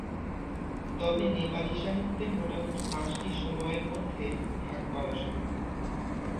তবে নেপালি সাহিত্যের মোটামুটি পাঁচটি সময়ের মধ্যে ভাগ করা সম্ভব।